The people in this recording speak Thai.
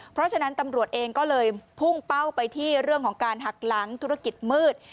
เพราะฉะนั้นตำรวจเองก็เลยพุ่งเป้าไปที่เรื่องของการหักหลังธุรกิจมืด